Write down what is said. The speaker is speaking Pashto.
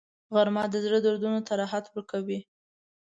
غرمه د زړه دردونو ته راحت ورکوي